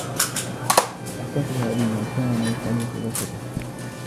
أخبرتها بما كان يفعله في غرفتها.